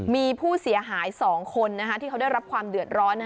มีผู้เสียหาย๒คนที่เขาได้รับความเดือดร้อน